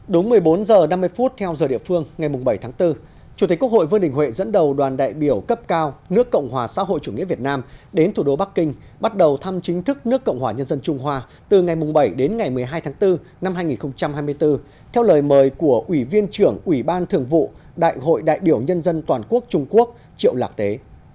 đúng một mươi bốn h năm mươi theo giờ địa phương ngày bảy tháng bốn chủ tịch quốc hội vương đình huệ dẫn đầu đoàn đại biểu cấp cao nước cộng hòa xã hội chủ nghĩa việt nam đến thủ đô bắc kinh bắt đầu thăm chính thức nước cộng hòa nhân dân trung hoa từ ngày bảy đến ngày một mươi hai tháng bốn năm hai nghìn hai mươi bốn theo lời mời của ủy viên trưởng ủy ban thường vụ đại hội đại biểu nhân dân toàn quốc trung quốc triệu lạc tế